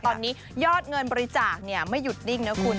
ตอนนี้ยอดเงินบริจาคไม่หยุดดิ้งนะคุณ